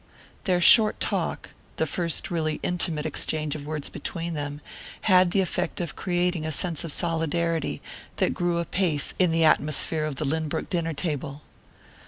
Their short talk the first really intimate exchange of words between them had the effect of creating a sense of solidarity that grew apace in the atmosphere of the Lynbrook dinner table.